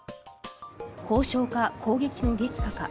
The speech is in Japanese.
交渉か、攻撃の激化か。